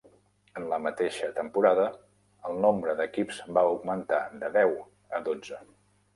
En la mateixa temporada, el nombre d'equips va augmentar de deu a dotze.